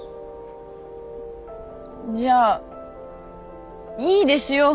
じゃあいいですよ。